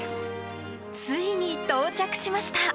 ついに到着しました。